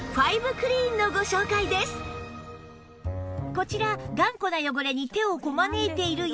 こちら頑固な汚れに手をこまねいている矢作さん